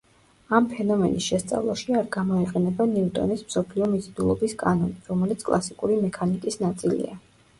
ამ ფენომენის შესწავლაში არ გამოიყენება ნიუტონის მსოფლიო მიზიდულობის კანონი, რომელიც კლასიკური მექანიკის ნაწილია.